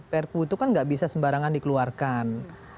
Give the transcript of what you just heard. perpu itu kan nggak bisa sembarangan dikeluarkan